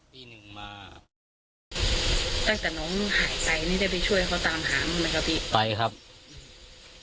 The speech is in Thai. ตั้งแต่น้องหายไปนี่ได้ไปช่วยเขาตามหาทำไมครับพี่